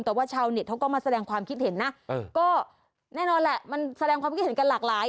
แต่ว่าชาวเน็ตเขาก็มาแสดงความคิดเห็นนะก็แน่นอนแหละมันแสดงความคิดเห็นกันหลากหลาย